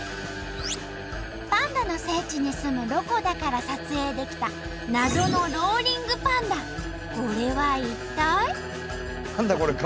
パンダの聖地に住むロコだから撮影できたこれは一体？